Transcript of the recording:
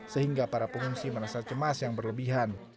sehingga para pengungsi merasa cemas yang berlebihan